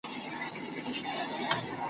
تا ویل چي غشیو ته به ټینګ لکه پولاد سمه !.